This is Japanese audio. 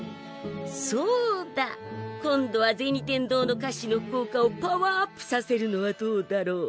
そうだ今度は銭天堂の菓子の効果をパワーアップさせるのはどうだろう。